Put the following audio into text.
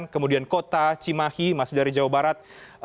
kemudian kota cimahi masih dari jawa barat